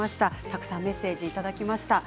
たくさんメッセージをいただきました。